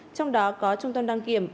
trong đó có trung tâm đăng kiểm bảy mươi một